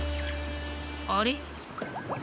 あれ？